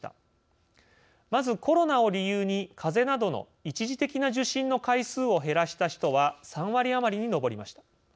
まずコロナを理由に風邪などの一時的な受診の回数を減らした人は３割余りに上りました。